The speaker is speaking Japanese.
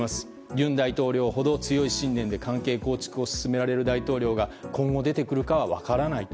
尹大統領ほど強い信念で関係構築を進められる大統領が今後、出てくるかは分からないと。